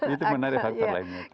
itu menarik faktor lainnya